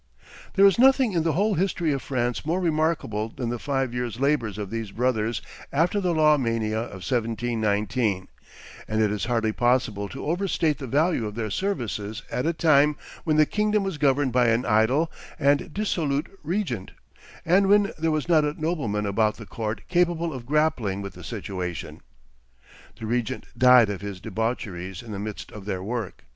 There is nothing in the whole history of finance more remarkable than the five years' labors of these brothers after the Law mania of 1719; and it is hardly possible to overstate the value of their services at a time when the kingdom was governed by an idle and dissolute regent, and when there was not a nobleman about the court capable of grappling with the situation. The regent died of his debaucheries in the midst of their work.